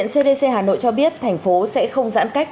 cdc hà nội cho biết thành phố sẽ không giãn cách